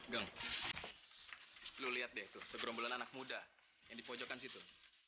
geng lu lihat deh tuh segerombolan anak muda yang dipojokan situ